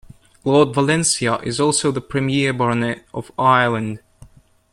Lord Valentia is also the Premier Baronet of Ireland.